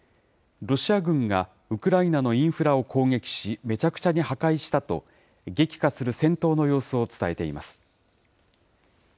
ロシア軍がウクライナのインフラを攻撃し、めちゃくちゃに破壊したと、激化する戦闘の様子を伝えています。